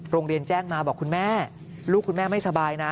โรงเรียนแจ้งมาบอกคุณแม่ลูกคุณแม่ไม่สบายนะ